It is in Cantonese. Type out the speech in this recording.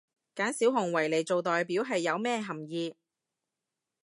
揀小熊維尼做代表係有咩含意？